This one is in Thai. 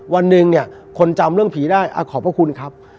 วันหนึ่งเนี่ยคนจำเรื่องผีได้ขอบพระคุณครับ